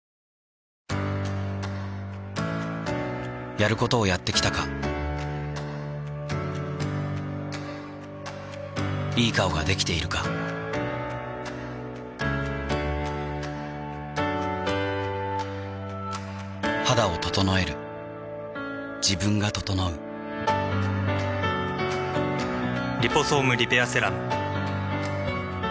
やることをやってきたかいい顔ができているか肌を整える自分が整う「リポソームリペアセラム」